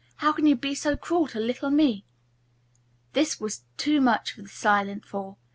"How can you be so cruel to little me?" This was too much for the silent four.